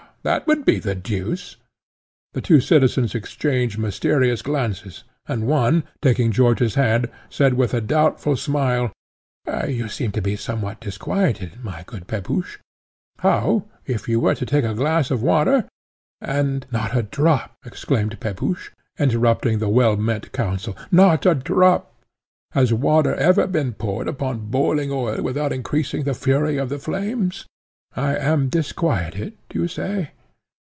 that would be the deuce!" The two citizens exchanged mysterious glances, and one, taking George's hand, said with a doubtful smile, "You seem to be somewhat disquieted, my good Mr. Pepusch; how, if you were to take a glass of water, and " "Not a drop!" exclaimed Peregrine, interrupting the well meant counsel; "not a drop! Has water ever been poured upon boiling oil without increasing the fury of the flames? I am disquieted, you say?